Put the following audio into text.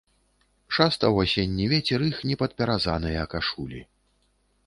Шастаў асенні вецер іх непадпяразаныя кашулі.